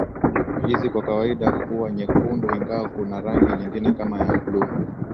Hizi kwa kawaida huwa nyekundu ingawa kuna rangi nyingine kama vile bluu